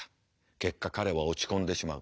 結果彼は落ち込んでしまう。